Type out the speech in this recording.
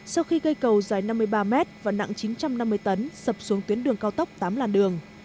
sau khi cây cầu dài năm mươi ba mét và nặng chín trăm năm mươi tấn sập xuống tuyến đường cao tốc tám làn đường